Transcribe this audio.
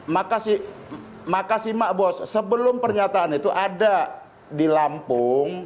makasih makasih mak bos sebelum pernyataan itu ada di lampung